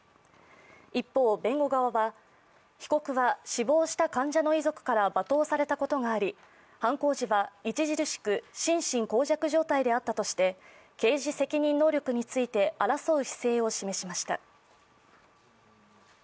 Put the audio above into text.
一方、弁護側は被告は死亡した患者の遺族から罵倒されたことがあり犯行時は著しく心神耗弱状態であったとして、刑事責任能力について争う姿勢を示しました。